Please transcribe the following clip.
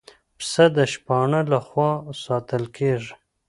پسه د شپانه له خوا ساتل کېږي.